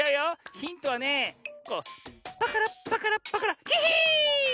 ヒントはねこうパカラパカラパカラヒヒーン！